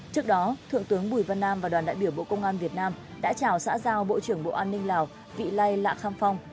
trước đó thượng tướng bùi văn nam và đoàn đại biểu bộ công an việt nam đã chào xã giao bộ trưởng bộ an ninh lào vị lai lạ kham phong